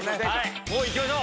もう行きましょう！